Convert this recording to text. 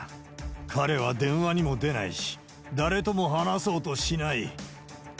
彼は電話にも出ないし、誰とも話そうとしない。